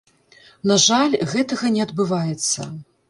На жаль, гэтага не адбываецца.